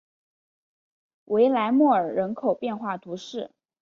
维莱莫尔人口变化图示